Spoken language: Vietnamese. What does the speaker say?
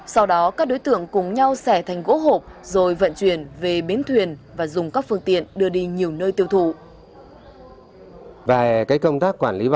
sau đó các đối tượng cùng nhau xẻ thành gỗ hộp rồi vận chuyển về bến thủy